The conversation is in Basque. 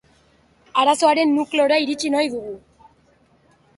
Arazoaren nukleora iritsi nahi dugu.